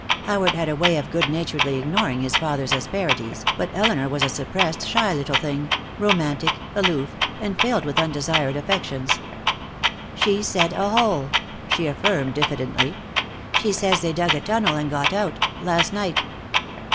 Howard had a way of good naturedly ignoring his father's asperities, but Elinor was a suppressed, shy little thing, romantic, aloof, and filled with undesired affections. "She said a hole," she affirmed, diffidently. "She says they dug a tunnel and got out. Last night."